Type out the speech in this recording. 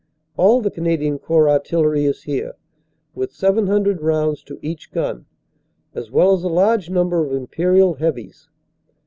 All the Canadian Corps artillery is here, with 700 rounds to each gun, as well as a large number of imperial heavies."